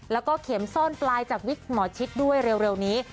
แล้วก็เข็มซ่อนปลายจากวิกหมอชิดด้วยเร็วนี้